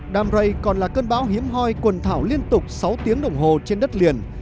dan rây còn là cơn bão hiếm hoi quần thảo liên tục sáu tiếng đồng hồ trên đất liền